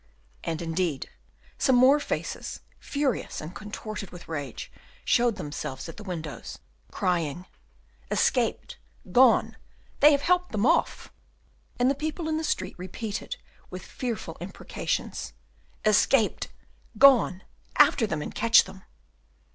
And indeed, some more faces, furious and contorted with rage, showed themselves at the windows, crying, "Escaped, gone, they have helped them off!" And the people in the street repeated, with fearful imprecations, "Escaped! gone! After them, and catch them!"